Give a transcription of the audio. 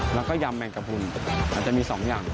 แล้วก็ยำแมงกระพุนอาจจะมี๒ยำ